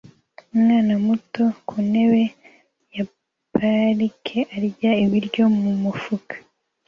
Umwana muto ku ntebe ya parike arya ibiryo mu mufuka